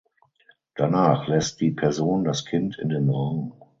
Danach lässt die Person das Kind in den Raum.